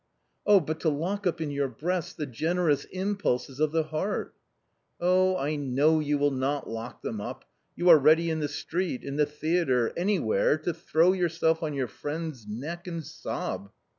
"Oh, but to lock up in your breast the generous impulses of the heart !"" Oh, I know you will not lock them up ; you are ready in the street, in the theatre, anywhere, to throw yourself on your friend's neck and sob."